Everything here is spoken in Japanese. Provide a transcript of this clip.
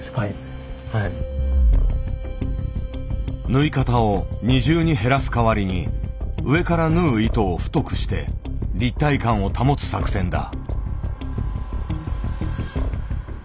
縫い方を２重に減らす代わりに上から縫う糸を太くして立体感を保つ作戦だ。